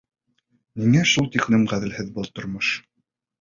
Ниңә шул тиклем ғәҙелһеҙ был тормош?